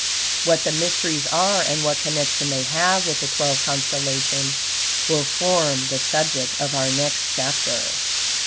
What the mysteries are, and what connection they have with the twelve constellations, will form the subject of our next chapter.